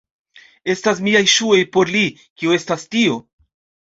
Estas miaj ŝuoj por li. Kio estas tio?